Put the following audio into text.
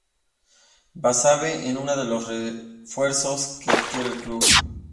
Basabe es uno de los refuerzos que adquiere el club.